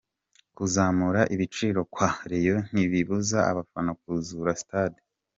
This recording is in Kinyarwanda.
Kuzamura ibiciro kwa Rayon ntibibuza abafana kuzura Stade.